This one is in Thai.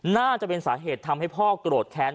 น่าจะเป็นสาเหตุทำให้พ่อโกรธแค้น